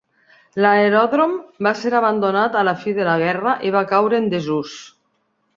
L'aeròdrom va ser abandonat a la fi de la guerra i va caure en desús.